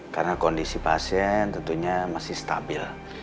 karena kondisi pasien tentunya masih stabil